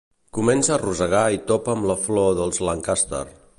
Comença a rosegar i topa amb la flor dels Lancaster.